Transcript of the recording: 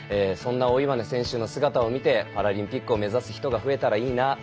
そんな大岩根選手の姿を見てパラリンピックを目指す人が増えたらいいな